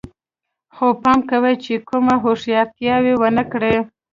خو پام کوئ چې کومه هوښیارتیا ونه کړئ